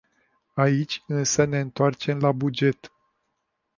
Aici însă ne întoarcem la buget.